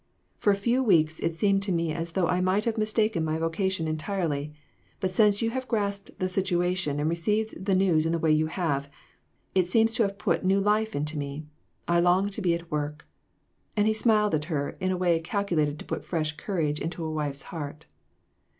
For a few weeks it seemed to me as though I might have mistaken my vocation entirely, but since you have grasped the situation and received the news in the way you have, it seems to have put new life into me ; I long to be at work." And he smiled at her in a way calcu lated to put fresh courage into a wife's heart.